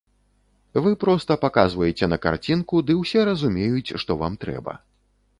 Вы проста паказваеце на карцінку, ды ўсе разумеюць, што вам трэба.